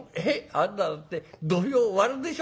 あなただって土俵を割るでしょ？」。